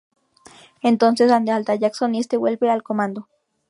Entonces dan de alta a Jackson y este vuelve al Comando.